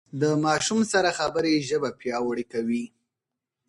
د ماشوم سره خبرې ژبه پياوړې کوي.